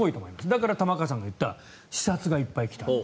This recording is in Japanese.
だから玉川さんが言った視察がいっぱい来た。